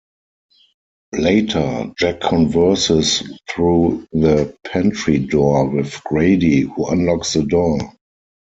Later, Jack converses through the pantry door with Grady, who unlocks the door.